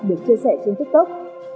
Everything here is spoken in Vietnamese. được chia sẻ trên tiktok